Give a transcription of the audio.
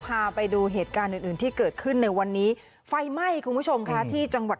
พาไปดูเหตุการณ์อื่นอื่นที่เกิดขึ้นในวันนี้ไฟไหม้คุณผู้ชมค่ะที่จังหวัด